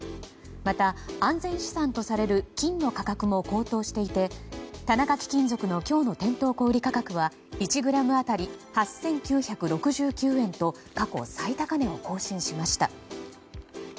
また、安全資産とされる金の価格も高騰していて田中貴金属の今日の店頭小売価格は１ｇ当たり８９６９円と過去最高値を更新しました。